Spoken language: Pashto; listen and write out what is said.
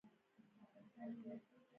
استالف کلالي مشهوره ده؟